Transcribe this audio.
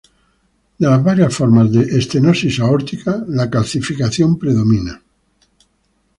De las varias formas de estenosis aórtica, la calcificación predomina.